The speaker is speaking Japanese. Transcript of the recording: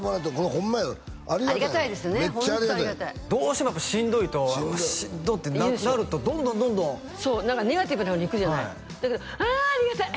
ホントありがたいめっちゃありがたいどうしてもやっぱりしんどいとしんどってなるとどんどんどんどんそう何かネガティブな方に行くじゃないだけどあありがたい！